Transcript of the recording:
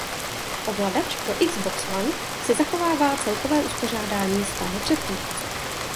Ovladač pro Xbox One si zachovává celkové uspořádání svého předchůdce.